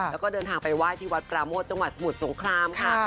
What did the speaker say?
แล้วก็เดินทางไปไหว้ที่วัดปราโมทจังหวัดสมุทรสงครามค่ะ